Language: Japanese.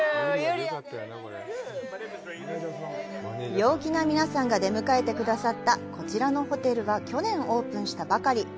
陽気な皆さんが出迎えてくださったこちらのホテルは去年オープンしたばかり。